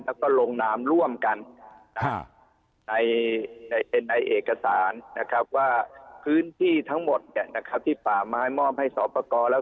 แล้วก็ลงนามร่วมกันในเอกสารนะครับว่าพื้นที่ทั้งหมดที่ป่าไม้มอบให้สอบประกอบแล้ว